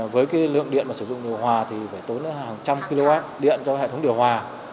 với lượng điện sử dụng điều hòa thì phải tốn hàng trăm kwh điện cho hệ thống điều hòa